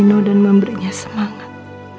noda memberinya semangat